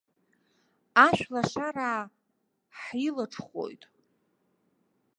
Ашәлашараа ҳилаҽхәоит.